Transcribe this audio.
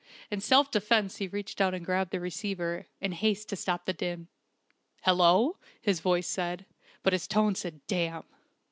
In self defence he reached out and grabbed the receiver, in haste to stop the din. "Hello!" his voice said: but his tone said "Damn!"